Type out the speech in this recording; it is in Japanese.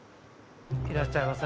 いらっしゃいませ。